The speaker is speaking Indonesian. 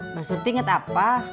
maksudnya inget apa